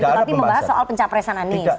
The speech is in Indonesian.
tapi membahas soal pencapresan anies